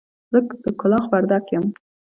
زه د کلاخ وردک يم.